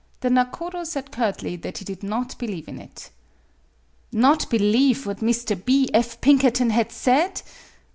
The nakodo said curtly that he did not believe it. Not believe what Mr. B. F. Pinkerton had said!